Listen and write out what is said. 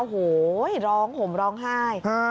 โว้ยยยยยร้องผมร้องไห้